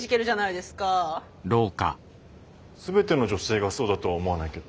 全ての女性がそうだとは思わないけど。